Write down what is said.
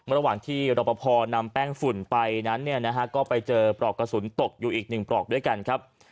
ระหว่างที่รอปภนำแป้งฝุ่นไปนั้นเนี่ยนะฮะก็ไปเจอปลอกกระสุนตกอยู่อีก๑ปลอกด้วยกันครับ